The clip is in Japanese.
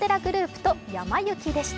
とやま幸でした。